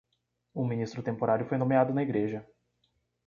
Um ministro temporário foi nomeado na igreja.